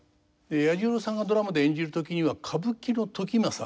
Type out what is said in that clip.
彌十郎さんがドラマで演じる時には歌舞伎の時政